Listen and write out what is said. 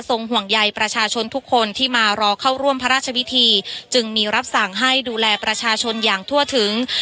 ห่วงใยประชาชนทุกคนที่มารอเข้าร่วมพระราชพิธีจึงมีรับสั่งให้ดูแลประชาชนอย่างทั่วถึง